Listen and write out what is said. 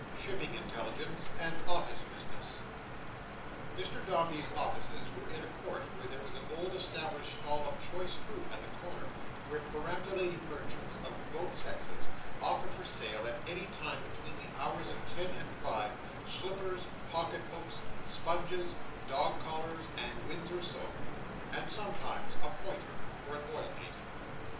Shipping Intelligence and Office Business Mr Dombey's offices were in a court where there was an old established stall of choice fruit at the corner: where perambulating merchants, of both sexes, offered for sale at any time between the hours of ten and five, slippers, pocket books, sponges, dogs' collars, and Windsor soap; and sometimes a pointer or an oil painting.